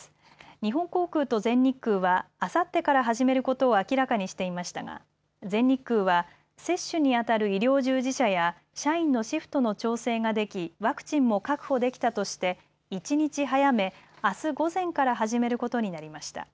日本航空と全日空はあさってから始めることを明らかにしていましたが全日空は接種に当たる医療従事者や社員のシフトの調整ができ、ワクチンも確保できたとして一日早め、あす午前から始めることになりました。